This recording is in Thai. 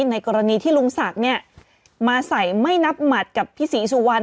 ในกรณีที่ลุงศักดิ์มาใส่ไม่นับหมัดกับพี่ศรีสุวรรณ